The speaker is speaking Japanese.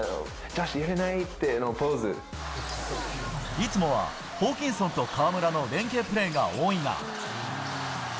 いつもは、ホーキンソンと河村の連係プレーが多いが。